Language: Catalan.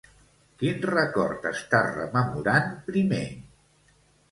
Quin record està rememorant primer?